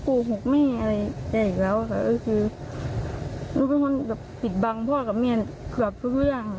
จะอีกแล้วแต่ก็คือทุกคนก็ผิดบังพ่อกับแม่เกือบทุกเรื่อง